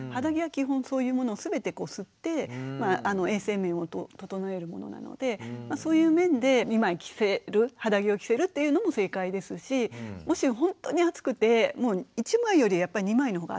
基本そういうものを全て吸って衛生面を整えるものなのでそういう面で２枚着せる肌着を着せるというのも正解ですしもしほんとに暑くて１枚よりやっぱり２枚の方が暑いんですよ。